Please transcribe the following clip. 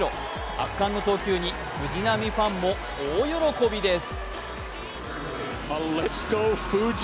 圧巻の投球に藤浪ファンも大喜びです。